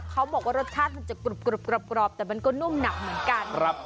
เขาบอกว่ารสชาติมันจะกรุบกรอบแต่มันก็นุ่มหนักเหมือนกัน